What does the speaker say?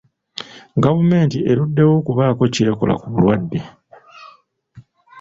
Gavumenti eruddewo okubaako ky'ekola ku bulwadde.